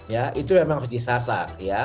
ya itu memang harus disasar ya